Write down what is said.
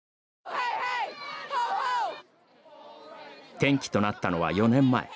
転機となったのは４年前。＃